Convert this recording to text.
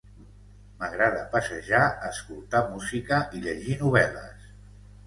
M'agrada passejar, escoltar música i llegir novel·les.